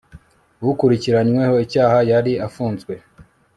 ukurikiranyweho icyaha yari afunzwe